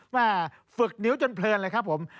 ฝึกนิ้วจนเพลินเลยครับผม